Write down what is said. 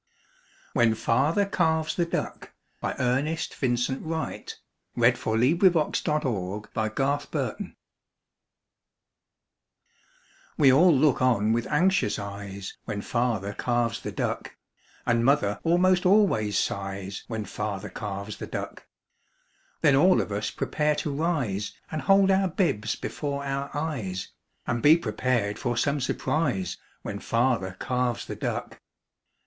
4When Father Carves the Duck1891Ernest Vincent Wright We all look on with anxious eyes When Father carves the duck And mother almost always sighs When Father carves the duck Then all of us prepare to rise And hold our bibs before our eyes And be prepared for some surprise When Father carves the duck.